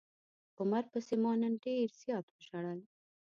عمر پسې ما نن ډير زيات وژړل.